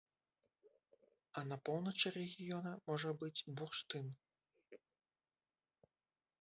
А на поўначы рэгіёна можа быць бурштын.